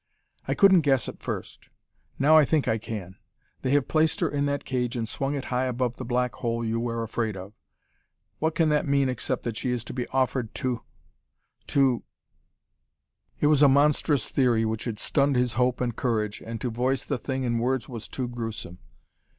"I couldn't guess at first. Now I think I can. They have placed her in that cage and swung it high above the black hole you were afraid of. What can that mean except that she is to be offered to to " It was a monstrous theory which had stunned his hope and courage, and to voice the thing in words was too gruesome.